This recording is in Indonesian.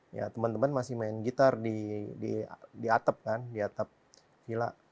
ya teman teman masih main gitar di atap kan di atap villa